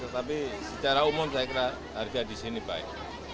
tetapi secara umum saya kira harga di sini baik